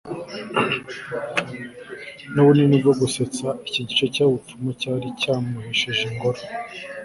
nubunini bwo gusetsa iki gice cyubupfumu cyari cyamuhesheje ingoro